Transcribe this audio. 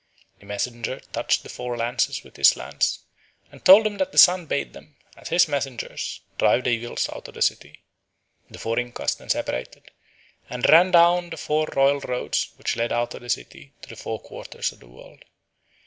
The messenger touched their four lances with his lance, and told them that the Sun bade them, as his messengers, drive the evils out of the city. The four Incas then separated and ran down the four royal roads which led out of the city to the four quarters of the world.